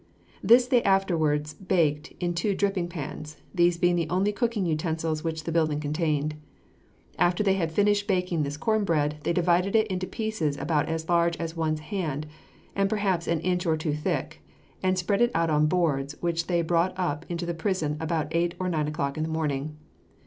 This they afterwards baked in two dripping pans, these being the only cooking utensils which the building contained. After they had finished baking this corn bread, they divided it into pieces about as large as one's hand and perhaps an inch or two thick, and spread it out on boards, which they brought up into the prison about eight or nine o'clock in the morning.